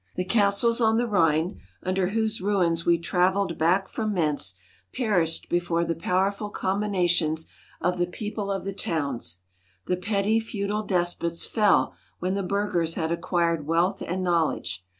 The castles on the Rhine, under whose ruins we travelled back from Mentz, perished before the powerful combinations of the people of the towns. The petty feudal despots fell when the burghers had acquired wealth and knowledge.